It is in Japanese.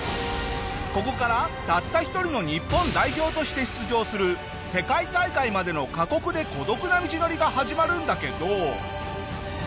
ここからたった一人の日本代表として出場する世界大会までの過酷で孤独な道のりが始まるんだけど。